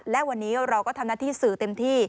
และวันนี้เราก็ทำหน้าที่สื่อเต็มที่